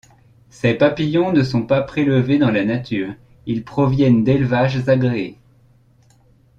Ces papillons ne sont pas prélevés dans la nature, ils proviennent d’élevages agréés.